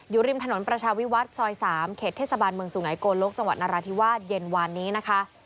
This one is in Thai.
ริมถนนประชาวิวัฒน์ซอย๓เขตเทศบาลเมืองสุไงโกลกจังหวัดนราธิวาสเย็นวานนี้นะคะ